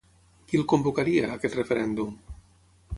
Qui el convocaria, aquest referèndum?